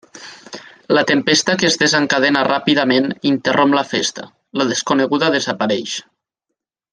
La tempesta que es desencadena ràpidament interromp la festa, la desconeguda desapareix.